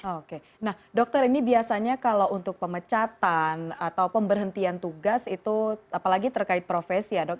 oke nah dokter ini biasanya kalau untuk pemecatan atau pemberhentian tugas itu apalagi terkait profesi ya dok